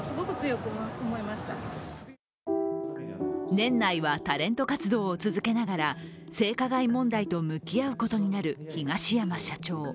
年内はタレント活動を続けながら性加害問題と向き合うことになる東山社長。